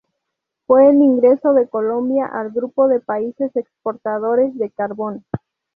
Fue el ingreso de Colombia al grupo de países exportadores de carbón.